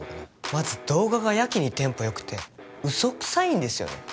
まず動画がやけにテンポよくてうそくさいんですよね